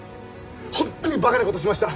ホントにバカなことしました。